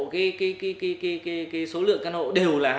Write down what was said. cái số lượng căn hộ đều là hai mươi năm m hai cả